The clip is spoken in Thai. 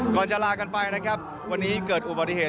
ก่อนจะลากันไปวันนี้เกิดอุปโธษี